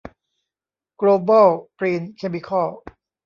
โกลบอลกรีนเคมิคอล